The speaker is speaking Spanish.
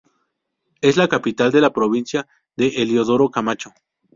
Es la capital de la Provincia de Eliodoro Camacho.